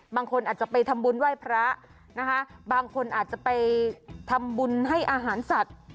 บางคนอาจจะไปทำบุญไหว้พระนะคะบางคนอาจจะไปทำบุญให้อาหารสัตว์